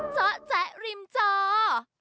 เจ้าแจ๊กริมเจ้า